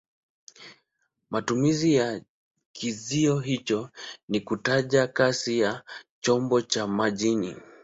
Matumizi ya kizio hicho ni kutaja kasi ya chombo cha majini.